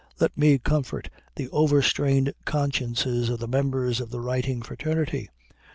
Let me comfort the over strained consciences of the members of the writing fraternity.